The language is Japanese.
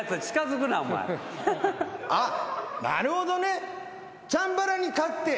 あっなるほどね！